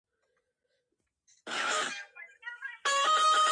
მცირე სვინაქსარი ყველაზე ფართოდ ილუსტრირებული ქართული საღვთისმსახურო კრებულია.